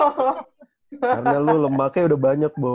karena lu lemaknya udah banyak bu